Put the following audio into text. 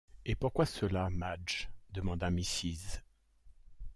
Et pourquoi cela, Madge ? demanda Mrs.